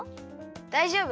だいじょうぶ。